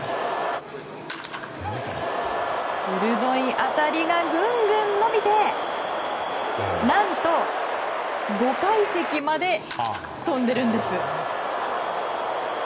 鋭い当たりがぐんぐん伸びて何と５階席まで飛んでるんです。